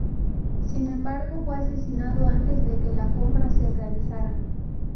Sin embargo, fue asesinado antes de que la compra se realizara.